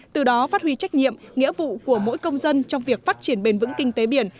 từ đó phát huy trách nhiệm nghĩa vụ của mỗi công dân trong việc phát triển bền vững kinh tế biển